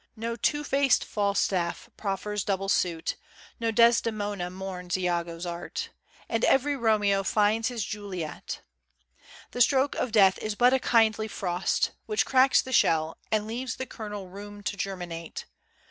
No two faced Falstaff proffers double suit; No Desdemona mourns Iago's art; And every Romeo finds his Juliet. The stroke of Death is but a kindly frost, Which cracks the shell, and leaves the kernel room To germinate.